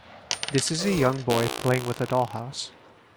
This is a young boy playing with a dollhouse.